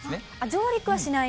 上陸はしない？